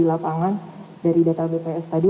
lapangan dari data bps tadi